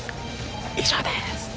以上です。